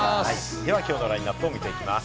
では今日のラインナップを見ていきます。